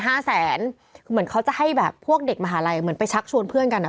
เหมือนเขาจะให้แบบพวกเด็กมหาลัยเหมือนไปชักชวนเพื่อนกันอ่ะ